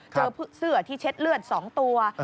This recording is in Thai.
เจอเสื้อที่เช็ดเลือด๒ตัว